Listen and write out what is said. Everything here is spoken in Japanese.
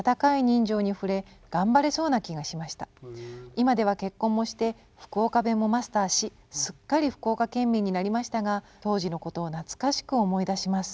今では結婚もして福岡弁もマスターしすっかり福岡県民になりましたが当時のことを懐かしく思い出します」。